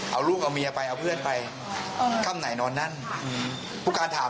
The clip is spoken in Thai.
เอาลูกเอาเมียไปเอาเพื่อนไปเออค่ำไหนนอนนั่นอืม